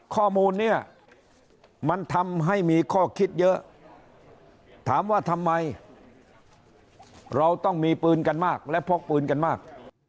ข้อมูลเนี่ยมันทำให้มีข้อคิดเยอะถามว่าทำไมเราต้องมีปืนกันมากและพกปืนกันมาก